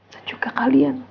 dan juga kalian